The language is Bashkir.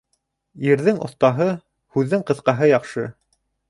Ирҙең оҫтаһы, һүҙҙең ҡыҫҡаһы яҡшы.